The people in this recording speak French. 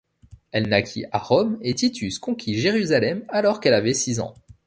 Elle naquit à Rome et Titus conquit Jérusalem alors qu’elle avait six ans.